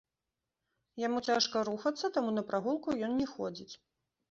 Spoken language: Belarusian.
Яму цяжка рухацца, таму на прагулку ён не ходзіць.